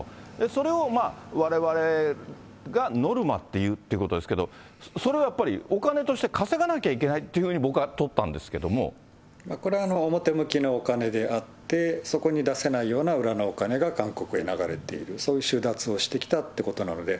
それをわれわれがノルマっていうっていうことですけれども、それはやっぱりお金として稼がなきゃいけないというふうに僕は取これは表向きのお金であって、そこに出せないような裏のお金が韓国へ流れている、そういう収奪をしてきたということなので、